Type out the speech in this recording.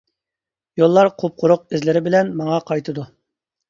يوللار قۇپقۇرۇق ئىزلىرى بىلەن ماڭا قايتىدۇ.